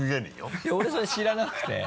いや俺それ知らなくて。